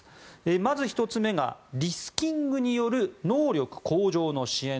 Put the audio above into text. まず１つ目がリスキリングによる能力向上の支援。